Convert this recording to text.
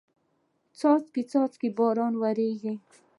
څاڅکي څاڅکي باران وریږي